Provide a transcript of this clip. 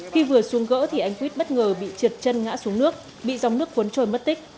khi vừa xuống gỡ thì anh quýt bất ngờ bị trượt chân ngã xuống nước bị dòng nước cuốn trôi mất tích